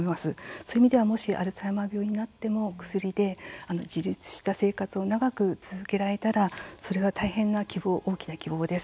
そういう意味ではもしアルツハイマー病になっても薬で自立した生活を長く続けられたらそれは大変な大きな希望です。